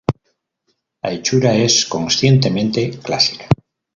La hechura es conscientemente clásica.